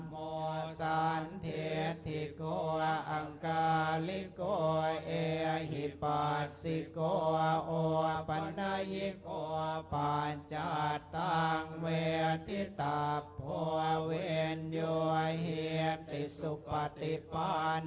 สารทิสันทะเทวะมนุนสานนางพุทธโทพักขวาตาธรรม